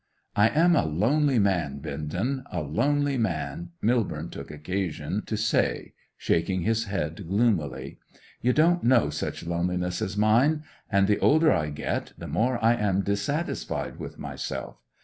'I am a lonely man, Bindon—a lonely man,' Millborne took occasion to say, shaking his head gloomily. 'You don't know such loneliness as mine ... And the older I get the more I am dissatisfied with myself.